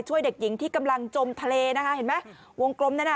ช่วยเด็กหญิงที่กำลังจมทะเลนะคะเห็นไหมวงกลมนั่นน่ะ